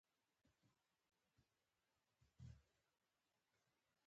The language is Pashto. د لږکیو په بڼه پکښې د وردگو سره یوځای پرته